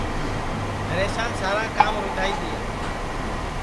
ہریشان سارا کام رُدھائی دؔیا